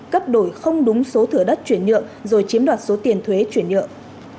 cấp đổi không đúng số thửa đất chuyển nhượng rồi chiếm đoạt số tiền thuế chuyển nhượng